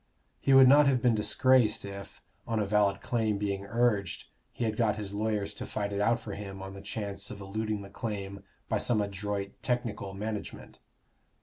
He would not have been disgraced if, on a valid claim being urged, he had got his lawyers to fight it out for him on the chance of eluding the claim by some adroit technical management.